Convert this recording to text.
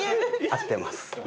合ってます。